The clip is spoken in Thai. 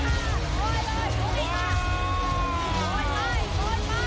สูงสูงไปกระจายความโฆษณีกันได้